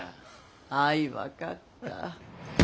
あい分かった。